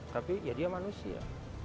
tapi ya dia manusia